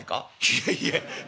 「いえいえ。